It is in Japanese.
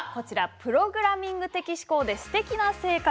「プログラミング的思考でステキな生活」